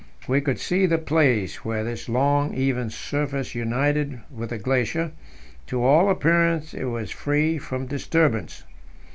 We could see the place where this long, even surface united with the glacier; to all appearance it was free from disturbance.